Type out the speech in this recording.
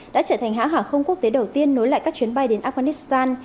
đã trở thành hãng hàng không quốc tế đầu tiên nối lại các chuyến bay đến afghanistan